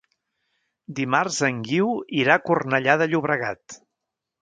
Dimarts en Guiu irà a Cornellà de Llobregat.